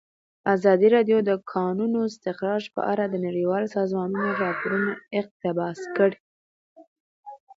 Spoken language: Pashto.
ازادي راډیو د د کانونو استخراج په اړه د نړیوالو سازمانونو راپورونه اقتباس کړي.